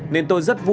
nên tôi rất vui